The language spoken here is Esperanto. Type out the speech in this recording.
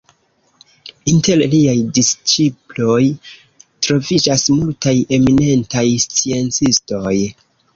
Inter liaj disĉiploj troviĝas multaj eminentaj sciencistoj.